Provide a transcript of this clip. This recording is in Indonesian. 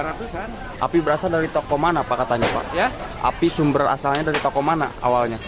ratusan api berasal dari toko mana pak katanya pak ya api sumber asalnya dari toko mana awalnya